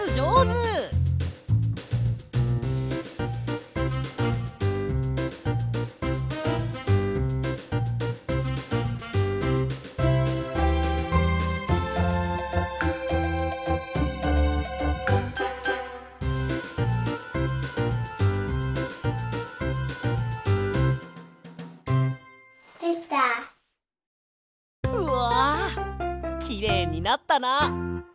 きれいになったな！